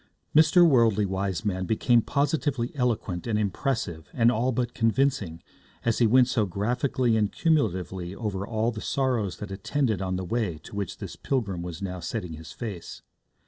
Mr. Worldly Wiseman became positively eloquent and impressive and all but convincing as he went so graphically and cumulatively over all the sorrows that attended on the way to which this pilgrim was now setting his face.